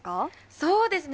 そうですね。